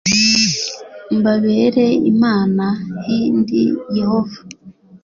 mbabere Imana h Ndi Yehova